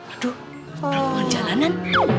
aduh perempuan jalanan